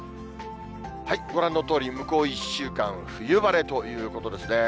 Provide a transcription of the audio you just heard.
ご覧のとおり、向こう１週間冬晴れということですね。